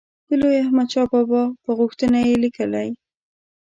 د لوی احمدشاه بابا په غوښتنه یې لیکلی.